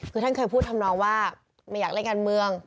คือท่านเคยพูดทำนองว่าไม่อยากเล่นการเมือง